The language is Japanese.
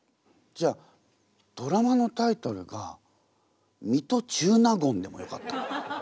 じゃあドラマのタイトルが「水戸中納言」でもよかった。